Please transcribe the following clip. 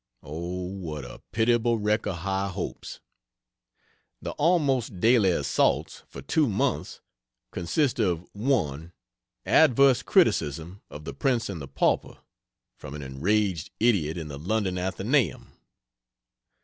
O, what a pitiable wreck of high hopes! The "almost daily" assaults, for two months, consist of 1. Adverse criticism of P. & P. from an enraged idiot in the London Atheneum; 2.